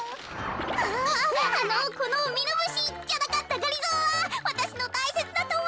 あっあのこのミノムシじゃなかったがりぞーはわたしのたいせつなともだちなの。